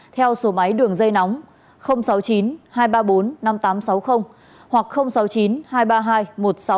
theo số máy đường dây nóng sáu mươi chín hai trăm ba mươi bốn năm nghìn tám trăm sáu mươi hoặc sáu mươi chín hai trăm ba mươi hai một nghìn sáu trăm sáu mươi bảy hoặc cơ quan công an nơi gần nhất